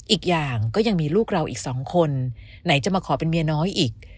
อีกอย่างก็ยังมีลูกเราอีกสองคนไหนจะมาขอเป็นเมียน้อยอีก